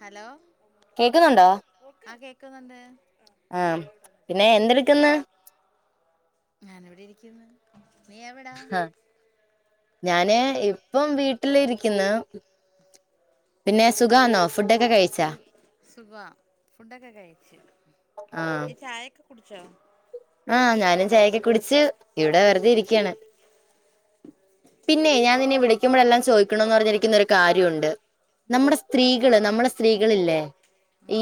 Hello ആ കേ ക്കുന്നുണ്ട് ആ പിന്നെ എന്തെടുക്കുന്ന് ഞാൻ ഇവിടെ ഇരിക്ക്‌ന്ന് നീ എവിടാ ആഹ് ഞാന് ഇപ്പം വീട്ടിലിരിക്ക്‌ന്ന് സു സുഖാ ഫുണ്ടൊക്കെ കഴിച്ച് നീ ചായ കുട്ച്ചോ ആ ഞാനും ചായക്കെ കുടിച്ച് ഇവിടെ വെറുതെ ഇരിക്കാണ് പിന്നെ ഞാൻ നിന്നെ വിളിക്കുമ്പോഴെല്ലാം ചോയിക്കണോന്ന് പറഞ്ഞിരിക്കുന്ന ഒരു കാര്യ ഉണ്ട് നമ്മുടെ സ്ത്രീകൾ നമ്മുടെ സ്ത്രീകളില്ലേ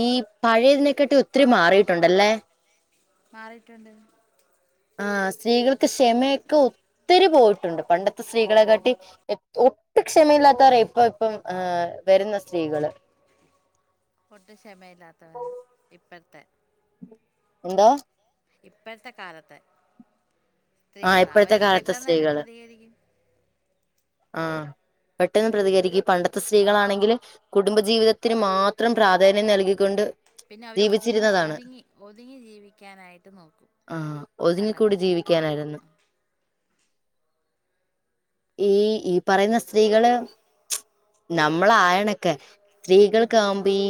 ഈ പഴയതിനെക്കാട്ട് ഒത്തിരി മാറിയിട്ടുണ്ടല്ലേ മാറിട്ടുണ്ട് ആ സ്ത്രീകൾക്ക് ക്ഷമെക്കെ ഒത്തിരി പോയിട്ടുണ്ട് പണ്ടത്തെ സ്ത്രീകളെ കാട്ടി ഒട്ടും ക്ഷമയില്ലാത്തവരാ ഇപ്പ ഇപ്പം ഏ വരുന്ന സ്ത്രീകൾ ഒട്ടും ക്ഷമയില്ലാത്തവരാ ഇപ്പത്തെ എന്തോ ഇപ്പഴത്തെ കാലത്ത് ആ ഇപ്പഴത്തെ കാലത്തെ സ്ത്രീകൾ ആ പെട്ടെന്ന് പ്രതികരിക്കും പണ്ടത്തെ ഉം സ്ത്രീകളാണെങ്കിൽ കുടുംബ ജീവിതത്തിന് മാത്രം പ്രാധാന്യം നൽകിക്കൊണ്ട് പിന്നെ അവര് ഒതുങ്ങി ജീവിച്ചിരുന്നതാണ് ഒതുങ്ങി ഒതുങ്ങി ജീവിക്കാനായിട്ട് നോക്കും ആഹ് പണ്ടത്തെ ഒതുങ്ങിക്കൂടി സ്ത്രീകൾ ജീവിക്കാനായിരുന്നു ഈ ഈ പറയുന്ന സ്ത്രീകള് നമ്മളായണേക്കെ സ്ത്രീകൾക്ക് ആവുമ്പോ ഈ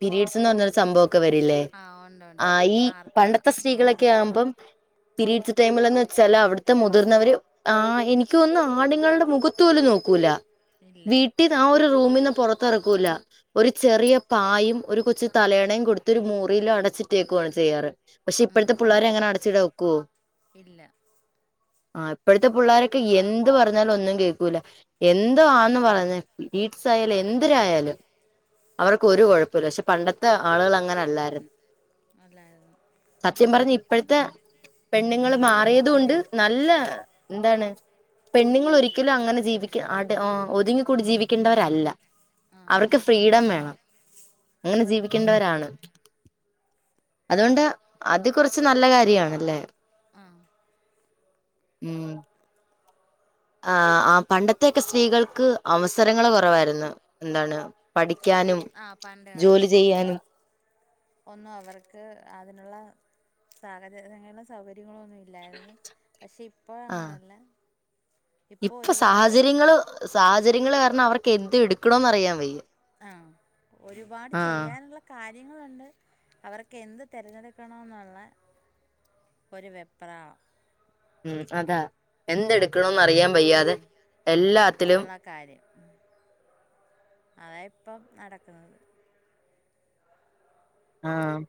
പീരിഡ്സ് ന്ന് പറഞ്ഞൊരു സംഭവം ക്കെ വരില്ലേ ആ ഉണ്ട് ഉണ്ട് ആ ഈ ആർത്തവ പണ്ടത്തെ ആ സ്ത്രീകളൊക്കെ ആവുമ്പം പീരിഡ്സ് ടൈമിലെന്ന് വെച്ചാല് അവിട്ത്തെ മുതിർന്നവര് ആ എനിക്കൊന്നും ആണുങ്ങളുടെ മുഖത്ത് പോലും നോക്കൂല ഇല്ല വീട്ടിന്ന് ആ ഒരു റൂമിന്ന് പൊറത്ത് എറക്കൂല ഒരു ചെറിയ പായും ഒരു കൊച്ചു തലയെണയും കൊടുത്ത് ഒരു മുറിയിൽ അടച്ചിട്ടേക്കുവയാണ് ചെയ്യാറ് പക്ഷെ ഉം ഇപ്പഴത്തെ പണ്ടേ പുള്ളേരെ അങ്ങനെ കാലത്ത് അടച്ചിടാൻ ഒക്കോ ഇല്ല ആ ഇപ്പഴ്‌ത്തെ പുള്ളോരൊക്കെ എന്ത് പറഞ്ഞാലും ഒന്നും കേക്കൂല എന്തോ ആന്ന് പറഞ്ഞ് പിരിഡ്‌സ് ആയാലും എന്തിരായാലും അവർക്ക് ഒരു കൊഴപ്പം ഇല്ല പക്ഷെ പണ്ടത്തെ ആളുകൾ അങ്ങനെ അല്ലായിര് അല്ലായിരുന്നു ഇപ്പഴ്ത്തെ പെണ്ണുങ്ങൾ മാറിയത് കൊണ്ട് നല്ല എന്താണ് പെണ്ണുങ്ങൾ ഒരിക്കലും അങ്ങനെ ജീവിക്ക ആട്ട് ആ ഒതുങ്ങിക്കൂടി ജീവിക്കേണ്ടവരല്ല ആ അവർക്ക് ഫ്രീഡം വേണം അങ്ങനെ ജീവിക്കേണ്ടവരാണ് അത് കൊണ്ട് ആണ് അത് കൊറച്ച് നല്ല കാര്യണ് അല്ലേ ആ ഉം ആഹ് ആ പണ്ടത്തെ ഒക്കെ സ്ത്രീകൾക്ക് അവസരങ്ങൾ കൊറവായിരുന്നു എന്താണ് പഠി ആ പണ്ട് കാലത്ത് ഒന്നും അവർക്ക് അതിനുള്ള സാഹചര്യങ്ങളും സൗകര്യങ്ങളൊന്നും ഇ ഇല്ലായിര്ന്ന് പക്ഷെ ഇപ്പോ ആ അങ്ങനെ അല്ല ഇപ്പൊ സാഹചര്യങ്ങള് സാഹചര് ര്യങ്ങൾ കാരണം അവർക്ക് എന്ത് എടുക്കണോന്ന് അറിയാൻ വയ്യ. ആ ഒരുപാട് ആഹ് ചെയ്യാനുള്ള കാര് ര്യങ്ങളുണ്ട് അവർക്ക് എന്ത് തിരഞ്ഞെടുക്കണം എന്നുള്ള ഒരു വെപ്രാളം ഉം അതാ എന്തെടുക്കണം ഉം ഉള്ള കാര്യം അതാ ഇപ്പം നടക് ആഹ്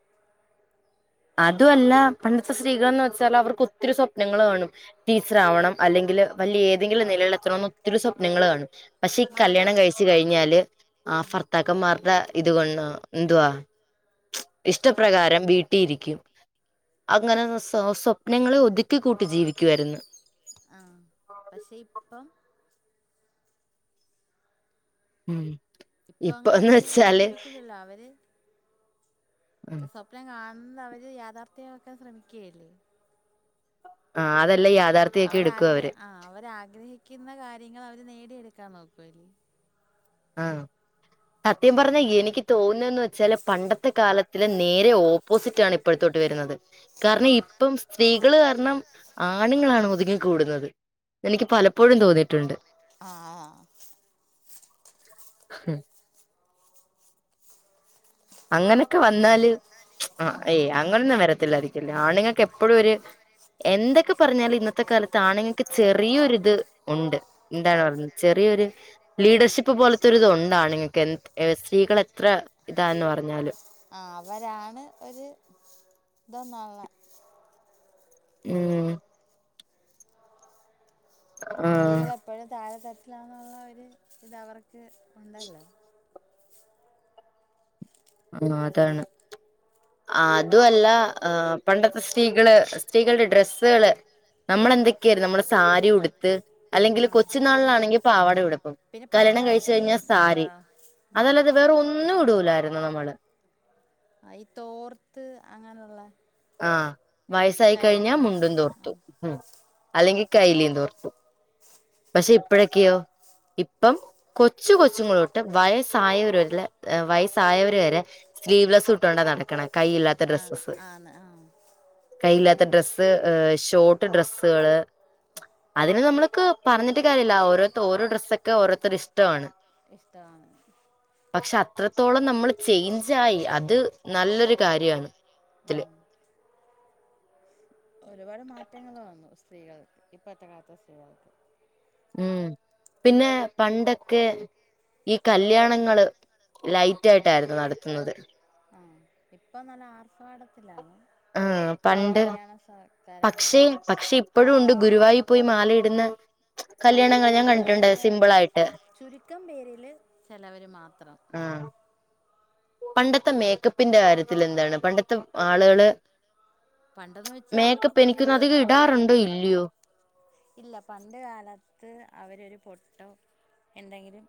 അതുവല്ല പണ്ടത്തെ സ്ത്രീകൾന്ന് വെച്ചാൽ അവർക്ക് ഒത്തിരി സ്വപ്നങ്ങള് കാണും ടീച്ചർ ആവണം അല്ലെങ്കില് വലിയ ഏതെങ്കിലും നിലയിൽ എത്തണം ഒത്തിരി സ്വപ്നങ്ങള് കാണും പക്ഷെ ഈ മാധവ കല്യാണം കഴിച്ചു കഴിഞ്ഞാല് ആ ഭർത്താക്കന്മാരുടെ ഇതുകൊണ്ട് എന്തുവാ ഇഷ്ടപ്രകാരം വീട്ടിയിരിക്കും അങ്ങനെ സ് സ്വപ്നങ്ങളെ ഒതുക്കി കൂട്ടി ജീവിക്കുവായിരുന്നു ആഹ് പക്ഷേ ഇപ്പം ഉം ഇപ്പൊ അങ്ങനെ ഒതുങ്ങി കൂടി ജീവിക്കുന്നില്ലാ അവര് സ്വപ്നം കാ ഇന്ന് അവര് യാഥാർത്ഥ്യമാക്കാൻ ശ്രമിക്കയല്ലേ? ആ അതെ അവരാഗ്രഹ ആ അവരാഗ്രഹി ക്കുന്ന കാര്യങ്ങള് അവര് നേടിയെടുക്കാൻ നോക്കുവല്ലേ. ആഹ് സത്യം പറഞ്ഞാ എനിക്ക് തോന്നുന്ന് വെച്ചാല് പണ്ടത്തെ കാലത്തിലെ നേരെ ഓപ്പോസിറ്റാണ് ഇപ്പഴത്തോട്ട് വരുന്നത്. കാരണം ഇപ്പം സ്ത്രീകള് ക കാരണം ആണുങ്ങളാണ് ഒതുങ്ങി കൂടുന്നത്, എനിക്ക് പലപ്പോഴും തോന്നിയിട്ടുണ്ട്. ആ ആ ഹും അങ്ങനൊക്കെ വന്നാല് ആ ഏയ് അങ്ങനൊന്നും വരത്തില്ലായിരിക്കുല്ലേ? ആണുങ്ങൾക്ക് എപ്പഴും ഒര് എന്തൊക്കെ പറഞ്ഞാല് ഇന്നത്തെ കാലത്ത് ആണുങ്ങൾക്ക് ചെറിയൊരിത് ഉണ്ട്, എന്താണ് പറഞ്ഞ് ചെറിയൊര് ലീഡർഷിപ്പ് പോലത്തെരുതുണ്ട് ആണുങ്ങൾക്ക് എ സ്ത്രീകൾ എത്ര ഇ എന്താന്ന് പറഞ്ഞാലും ആ അവരാണ് ഒരു ഇതൊന്നൊള്ള ഉം ആ സ്ത്രീകൾ എപ്പോഴും താഴെ ത തട്ടിലാന്നുള്ള ഒരു ഇത് അവർക്ക് ഉണ്ടല്ലോ ആ അതാണ്, അതു അല്ല ആ പണ്ടത്തെ സ്ത്രീകള് സ്ത്രീകളുടെ ഡ്രെസ്സുകള് നമ്മൾ എന്തൊക്കെയായിരുന്നു നമ്മടെ സാരി ഉടുത്ത് അല്ലെങ്കില് ആ കൊച്ചു നാളിലാണെങ്കി പാവാടയും ഉടുപ് പ്പ് പിന്നെ പണ്ട് കല്യാണം കഴിച്ച് കാലത്ത് ഈ കഴിഞ്ഞാ സാരി എന്താ അതല്ലാതെ വേറെ ഒന്ന് ഒന്നും ഇടൂല്ലാ നമ്മള് അ ഈ തോർത്ത് അങ്ങനുള്ളെ ആ വയസ്സായി കഴിഞ്ഞാ മുണ്ടും, ആ തോർത്തു ഉം അല്ലെങ്കിൽ കൈലിം തോർത്തും പക്ഷെ ഇപ്പഴെക്കെയോ ഇപ്പം കൊച്ച് കൊച്ച്ങ്ങളൊട്ട് വയസ്സായവര് വരില്ല വയസ്സായവർ വരെ സ്ലീവ്ലെസ്സ് ഇട്ടോണ്ട നടക്കണേ കൈയില്ലാത്ത ആണ് ഡ്രസ്സ്സസ് ആണ് ആ കയ്യില്ലാത്ത ഡ്രസ്സ്, ഷോട്ട് ഡ്രസ്സ്കള് അതിനെ നമ്മൾക്ക് പറഞ്ഞട്ട് കാര്യാല്ല ഓരോരുത്ത ഓരോ ഡ്രസ്സക്കെ ഓരോരുത്തരുടെ ഇഷ്ടമാണ് ക്ക് ഇഷ്ടാണ് ത്രൊളം നമ്മള് ജീൻസായി അത് നല്ലൊരു കാര്യമാണ് തിള് ഒരുവാട് മാറ്റങ്ങള്‌ വന്ന് കള് ഇപ്പത്തെ നത്തെ സ്ത്രീകൾക്ക് ഉംഹ് പിന്നെ പണ്ടെക്കെ ഈ കല്യാണങ്ങള് ലൈറ്റാട്ടാരുന്നു നടത്തുന്നത് ആഹ് ഇപ്പ നല്ല ആർഭാടത്തിലാണ് ആഹ്ആ പണ്ട് കല്യാണ പക്ഷേ സൽക്കാരങ്ങളൊക്കെ പക്ഷെ ഇപ്പോഴു ഒണ്ട് ഗുരുവായൂ പോയി മാലയിടുന്ന ആ കല്യാണങ്ങൾ ഞാൻ അത് ഏ കണ്ടിട്ടുണ്ട് സിമ്പിൾ ആയിട്ട് ചുരുക്കം പേരില് ചിലവര് മാത്രം ആ പണ്ടത്തെ മേക്കപ്പിന്റെ കാര്യത്തിൽ എന്താണ് പണ്ടത്തെ ആളുകള് പണ്ടെന്ന് വെച്ചാ അവർക്ക് മേക്കപ്പ് എനിക്കൊന്ന് കൂടുതല് അധികം ഇടാറുണ്ട് ഒരുക്കം ഇല്ലയോ അവരരു പൊട്ടോ എന്തെങ്കിലും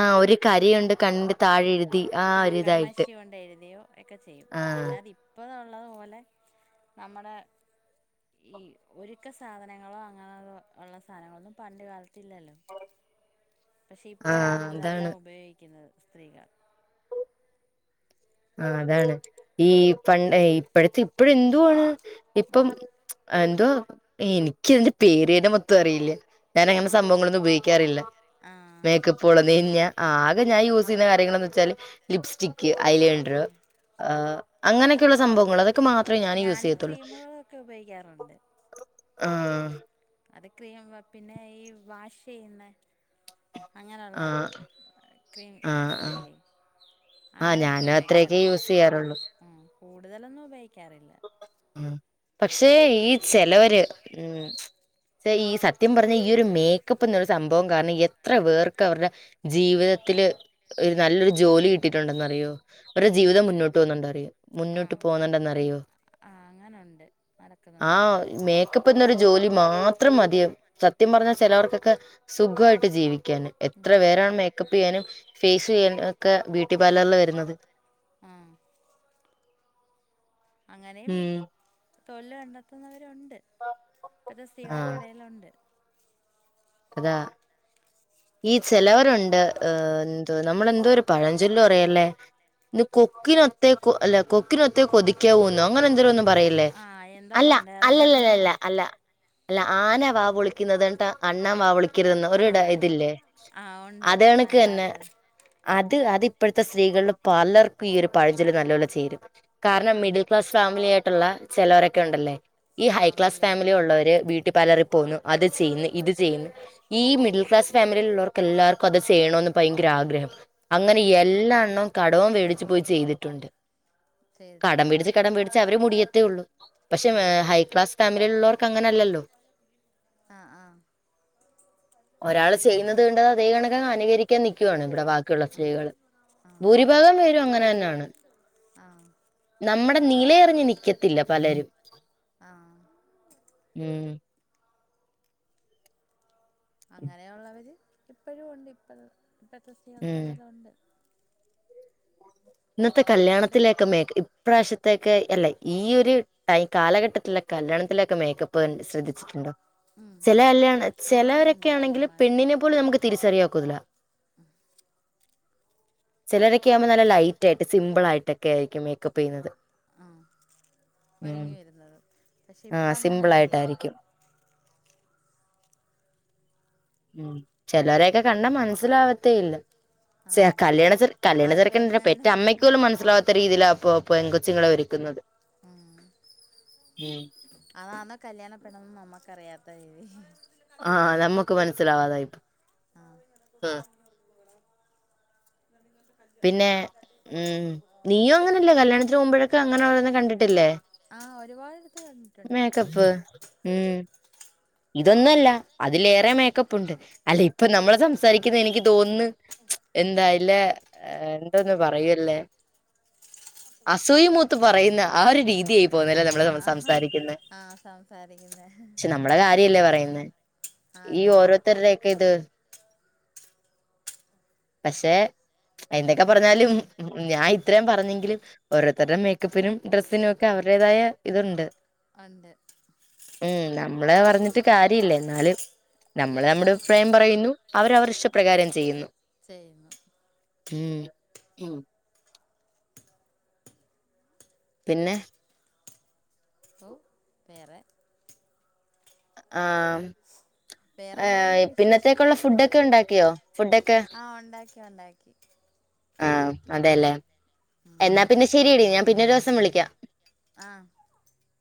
ആ ഒരു കരയുണ്ട് കണ്ണിന്റെ താഴെ എഴുതി ആ ഒരിതായി ആഹ് ഹലോ ഓലേ സാധനങ്ങളോ അങ്ങനെ ഉള്ള സാധനങ്ങളൊ ഒന്നും പണ്ട് കാലത്ത്ല്ലല്ലോ പക്ഷേ ഇപ്പോഴാണ് ആഹ് അതെല്ലാ അതാണ് ഉപയോഗിക്കുന്നത് സ്ത്രീകള് ആ അതാണ് ഈ പണ്ട് ഇപ്പഴ്ത്തെ ഇപ്പഴ് എന്തുവാണ് ഇപ്പം ഉം എഹ് എന്തോ എനിക്ക് അതിന്റ പേരേ മൊത്ത അറിയില്ലേ ഞാാന അങ്ങനെ ആഹ് സംഭവങ്ങളൊന്നു ഉപയോഗിക്കാറില്ല ആഹ് മേക്കപ്പള്ള നെയഞ്ഞ് ആ ആകെ ഞാൻ യൂസ് ചെയ്യുന്ന കാര്യങ്ങളന്ന് വെച്ചാല് ലിപ്സ്റ്റിക്ക് അ അ ആഹ് അങ്ങനെ ഒക്കെ ഉള്ള സ്ഥല സംഭവങ്ങള് അത് ഞാനും ക്രീമുകളൊക്കെ ഉപയോഗിക്കാറ്ണ്ട് ആഹ്ആ അത് ക്രീവാ പിന്നെ ഈ വാഷ് ചെയ്യുന്ന അങ്ങനെയുള്ള ആഹ് ആഹ് ആഹ് ക്രീംസിലെ ആഹ് അങ്ങനെക്കെ ഞാനും അത്രയൊക്കെ ഉപയോഗിക്കാറ്ണ്ട് യൂസ് പൂ ചെയ്യാറുള്ളൂ ഉ കൂടുതലന്നും ഉപയോഗ ക്കറിയില്ല പക്ഷേ ഈ ചെലവര് ഉം ഈ സത്യം പറഞ്ഞ ഈ ഒരു മേക്കപ്പ് എന്നൊരു സംഭവം കാരണം എത്ര പേർക്ക് അവരുടെ ജീവിതത്തില് ഒരു നല്ലൊരു ജോലി കിട്ടിട്ടുണ്ടെന്നറിയോ അവരുടെ ഉം ജീവിതം മുന്നോട്ട് പോകുന്നുണ്ടോ അറിയോ മുന്നോട്ട് പോകുന്നുണ്ടന്ന് അറിയോ ആഹ് അങ്ങനുണ്ട് നടക്കുന്നുണ്ട് ഇപ്പോന്നൊരു ജോലി മാത്രം മതിം സത്യം പറഞ്ഞാൽ ചിലവർക്കൊക്കെ സുഖായിട്ട് ജീവി ക്കാന് എത്ര പേരാണ് ജീവിക്കാം മേക്കപ്പ് ചെയ്യാനും ഫേസ് ചെയ്യാ ഒക്കെ ബ്യൂട്ടി പാർലറിൽ വരുന്നത് ആഹ് അങ്ങനെം ഉം തൊഴില് കണ്ടെത്തുന്നവ രുണ്ട് ഇപ്പത്തെ ആഹ് സ്ത്രീകൾക്കെടയിലുണ്ട് അതാ ഈ ചെലവരുണ്ട് ഏ എന്തുവാ നമ്മള് എന്തോ ഒരു പഴഞ്ചൊല്ലു പറയല്ലേ ഇത് കൊക്കിനൊത്തേ കൊ അല്ല കൊക്കിനൊത്തെ കൊതിക്കാവുന്നു അങ്ങനെ എന്തേലു ഒരണ്ണ പറയല്ലേ ആ എന്താ അല്ല പണ്ടുകാലത്തായിരുന്നു അല്ലല്ലല്ലല്ല അല്ല അല്ല ആന വാ പൊളിക്കുന്നത് കണ്ടാ അണ്ണാൻ വാപൊളിക്കെരുതെന്ന് ആ ഒരു ഡയ ഇതില്ലേ ആ ഉണ്ട് അത് കണക്ക് തന്നെ പണ്ടുകാലത്ത് അത് അതിപ്പ ഇപ്പഴ്ത്തെ സ്ത്രീകളിൽ പലർക്കും ഈ ഒരു പഴഞ്ചൊല് നല്ലപോലെ ചേരും കാരണം ആ മിഡിൽ ക്ലാസ് ഫാമിലിയായി ട്ടുള്ള ചിലവരൊക്കെ ഉണ്ടല്ലേ ഈ ആ ഹൈ ക്ലാസ് വലിയ ഫാമിലി ഒള്ളവര് വീട്ട് പാലറിൽ പോന്നു അത് ചെയ്യുന്നു ഇത് ചെയ്യുന്ന് ഈ മിഡിൽ ക്ലാസ് ഫാമിലീൽ ഉള്ളവർ എല്ലാവർക്കും അത് ചെയ്യണോന്ന് ഭയങ്കര ആഗ്രഹം അങ്ങനെ ആഗ്രഹം എല്ലാ എണ്ണാം കടവും വേടിച്ചു പോയി ചെയ്തിട്ടുണ്ട്. കടം ചെയ്തിട്ടുണ്ട് പിടിച്ച് കടം പിടിച്ച അവര് മുടിയത്തേ ഒള്ളൂ. പക്ഷെ വേ ഹൈക്ലാസ് ഫാമി ഇള്ളോർക്ക് അങ്ങനെല്ലല്ലോ ആ ആ ഒരാള് ചെയ്യുന്നത് കണ്ട് അതേ കണക്ക് അങ്ങ് അനുകരിക്കാൻ നിക്കുവാണ് ഇവിടെ ബാക്കിയുള്ള ആഹ് സ്ത്രീകള് ഭൂരിഭാഗം പേരും അങ്ങനെ തന്നെയാണ് ആ നമ്മുടെ നിലയറിഞ്ഞ് നിക്കത്തില്ല പലരും ആഹ് ഉം അങ്ങനെയൊള്ളവര് ഇപ്പഴും ഉണ്ട് ഇപ്പ ഉം [unintelligible] [unintelligible] ലൊണ്ട് ഇന്നത്തെ അതുകൊണ്ട് കല്യാണത്തിലേക്കെ മേക്ക് ഇപ്രാശ്യ ത്തേക്ക് അല്ലേ ഈ ഒരു ടൈ കാലഘട്ടത്തില കല്യാണത്തിലൊക്കെ മേക്കപ്പ് ശ്രദ്ധിച്ചിട്ടുണ്ടോ ഉം ചില കല്ലാ അതിലും ചെലവരൊക്കെ ഉണ്ട് വലിയ ആണെങ്കിൽ മാറ്റം പെണ്ണിനെ പോലും നമുക്ക് തിരിച്ചറിയൻ ഒ കുതല ചിലരൊക്കെ ആവുമ്പോ നല്ല ലൈ റ്റായിട്ട് സിമ്പിൾ ആയിട്ടൊക്കെ ആരിക്കും മേക്കപ്പ് ചെയ്യുന്നത് ആ ഉം ഒരുങ്ങി വരുന്നതും പക്ഷെ ഇപ്പം ആഹ് അങ്ങനെല്ലല്ലോ സിമ്പിളായിട്ടായിരിക്കും ഉം ചെലരെയൊക്കെ കണ്ടാ മനസ്സിലാവത്തേ ഇല്ല ചെ ആഹ് കല്യാണ ചെർ കല്യാണ അത് ചെർക്കൻ പെണ്ണ് പെ തന്നെ അമ്മയ്ക്ക് പോലും മനസ്സിലാവാത്ത രീതിയിലാ ഇപ്പോ പെൺ കൊച്ചിങ്ങളെ ഒരുക്കുന്നത് ഉം ഉം അതാന്ന കല്യാണപ്പെണ്ണെന്നു നമ്മക്ക് റിയാതായിപോയി ആഹ് നമ്മുക്ക് മനസ്സിലാവാതായി പ് ആഹ് അ ഹ് പിന്നെ ഉം നീയും അങ്ങനല്ലെ കല്യാണത്തിനു പോഉമ്പോഴക്കെ അങ്ങനേ ന്നെ കണ്ടിട്ടില്ലേ ആഹ് ഒരുപാടടുത്ത് കണ്ടിട്ടുണ്ട് മേക്കപ്പ് ഉം ഇതൊന്നൊല്ല അതിലേറെ മേക്കപ്പ് ഉണ്ട് അല്ല ഇപ്പ നമ്മളെ സംസാരിക്കുന്ന എനിക്ക് തോന്നുന്നു എന്തായില്ലേ ഏന്തൊന്നു പറയൂല്ലേ അസൂയ മൂത്ത് പറയുന്ന ആ ഒരു രീതിയായി പോന്നേരെ നമ്മള് മ്മ ആഹ് സംസാരിക്കുന്നേ ആഹ് സംസാരിക്കുന്നെ ക്ഷെ നമ്മള് കാര്യല്ലേ പറയുന്നെ ഈ ആണ് ഓരോര്ത്തരെക്കിത് പഷെ എന്തൊക്കെ പറഞ്ഞാലും ഞാൻ ഇത്രയും പറഞ്ഞെങ്കിലും ഓരോരുത്തരുടെ മേക്കപ്പിനും ഡ്രെസ്സിനും ഒക്കെ അവരുടേതായ ഇതുണ്ട് ഒണ്ട് നമ്മളെ പറഞ്ഞിട്ട് കാര്യല്ല ന്നാലും നമ്മള് നമ്മുടെപ്രായം പറയുന്നു അവര് അവരുടെ ഇഷ്ടപ്രകാരം ചെയ്യുന്നു ചെയ്യുന്നു ഉം ഉം പിന്നെ ഓ വേറെ ആഹ് വേറെന്ദുണ്ട് ഏഹ് പിന്നത്തേക്കുള്ള വിശേഷങ്ങളൊക്കെ ഫുഡൊക്കെ ഉണ്ടാക്കിയോ ഫുഡൊക്കെ ആഹ ഒണ്ടാക്കിഒണ്ടാക്കി ആഹ അതെലേ എന്നാ പിന്നെ ശരിയടി ഞാൻ പിന്നെ ഒരോസം വിളിക്കാം ആ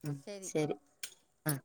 ഉം ശരി ആ